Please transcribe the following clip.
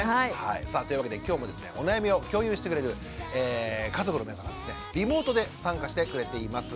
さあというわけで今日もですねお悩みを共有してくれる家族の皆さんがですねリモートで参加してくれています。